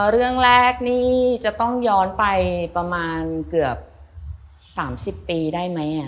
เรื่องแรกนี่จะต้องย้อนไปประมาณเกือบ๓๐ปีได้ไหม